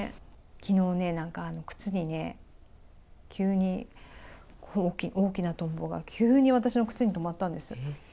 きのうね、なんか靴にね、急に大きなトンボが急に私の靴にとまったんですよ。